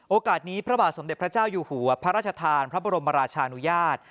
โอกาสนี้พระบาทสมเด็จพระเจ้าอยู่หัวพระราชทานพระบรมราชานุญาต